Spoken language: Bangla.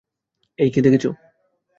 এই কি দেখোছ?